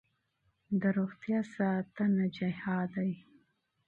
د روغتیا ساتنه جهاد دی.